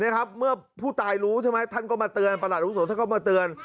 เนี่ยครับเมื่อผู้ตายรู้ท่านก็มาเตือนประหลาดอาวุโส